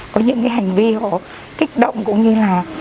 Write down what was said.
có những cái hành vi họ kích động cũng như là